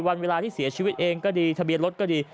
วันเวลาที่เสียชีวิตเองก็ดีทะเบียนรถก็ดี